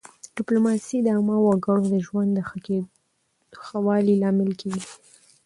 ډیپلوماسي د عامو وګړو د ژوند د ښه والي لامل کېږي.